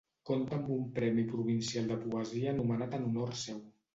Conta amb un premi provincial de poesia anomenat en honor seu.